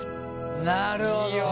なるほど。